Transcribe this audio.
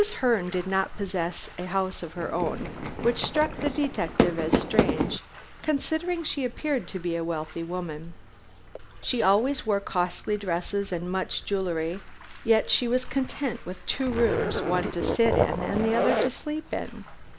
Herne did not possess a house of her own, which struck the detective as strange, considering she appeared to be a wealthy woman. She always wore costly dresses and much jewellery, yet she was content with two rooms, one to sit in and the other to sleep in.